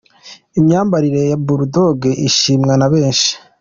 Imyambarire ya Bull Dogg ishimwa na benshi.